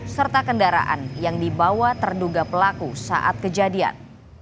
serta kendaraan yang dibawa terduga pelaku saat kejadian